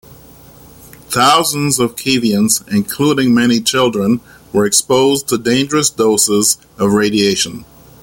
Thousands of Kievans, including many children, were exposed to dangerous doses of radiation.